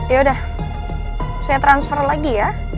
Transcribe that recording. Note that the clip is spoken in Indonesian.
yaudah saya transfer lagi ya